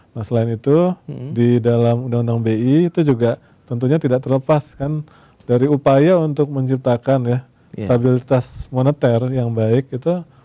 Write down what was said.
nah selain itu di dalam undang undang bi itu juga tentunya tidak terlepas kan dari upaya untuk menciptakan ya stabilitas moneter yang baik itu